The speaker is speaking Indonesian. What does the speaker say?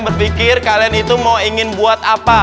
berpikir kalian itu mau ingin buat apa